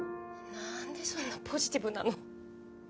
なんでそんなポジティブなの？